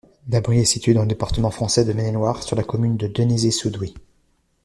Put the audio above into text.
L'abri est situé dans le département français de Maine-et-Loire, sur la commune de Dénezé-sous-Doué.